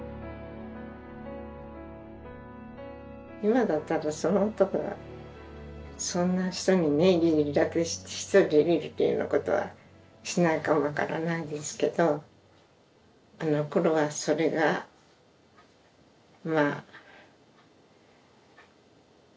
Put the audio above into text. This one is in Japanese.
今だったらその男がそんな人にね義理立てしてひとりでいるというようなことはしないかもわからないですけどあのころはそれがまあ。